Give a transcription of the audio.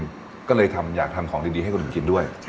อาหารที่ทำสร้างของที่ดีให้คนของคนกินด้วย